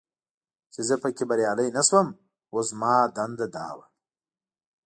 چې زه پکې بریالی نه شوم، اوس زما دنده دا وه.